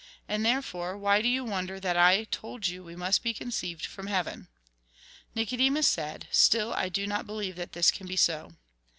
And, therefore, why do you ^vonder that I told you we must be conceived from heaven ?" Nicodemus said :" Still, I do not believe that this can be so."